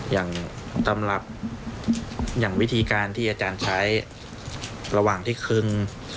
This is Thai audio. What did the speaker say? อย่างตำรับอย่างวิธีการที่อาจารย์ใช้ระหว่างที่คึง